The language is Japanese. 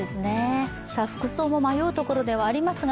服装も迷うところではありますが、